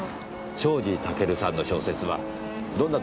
庄司タケルさんの小説はどんなところが面白いですか？